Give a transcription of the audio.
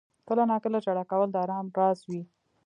• کله ناکله ژړا کول د آرام راز وي.